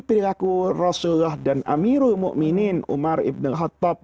perilaku rasulullah dan amirul mu'minin umar ibn khattab